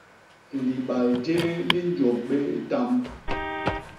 Libal jéé li njôp bé tamb.